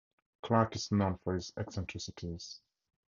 Clark is known for his eccentricities.